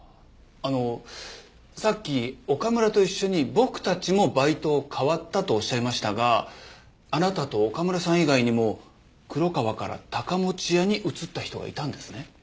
あのさっき「岡村と一緒に僕たちもバイトを変わった」とおっしゃいましたがあなたと岡村さん以外にも黒川から高持屋に移った人がいたんですね？